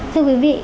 thưa quý vị